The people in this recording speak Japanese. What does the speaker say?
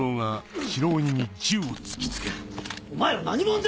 お前ら何者だ！